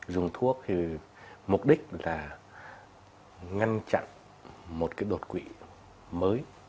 dùng thuốc thì mục đích là ngăn chặn một cái đột quỵ mới